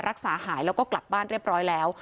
รักษาหายแล้วก็กลับบ้านเรียบร้อยแล้ว